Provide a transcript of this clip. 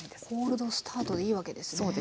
コールドスタートでいいわけですね。